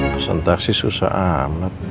pesan taksi susah amat